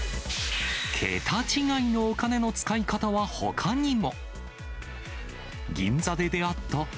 桁違いのお金の使い方はほかにも。